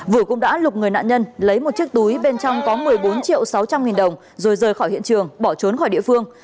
vũ cũng đã lục người nạn nhân lấy một chiếc túi bên trong có một mươi bốn triệu sáu trăm linh nghìn đồng rồi rời khỏi hiện trường bỏ trốn khỏi địa phương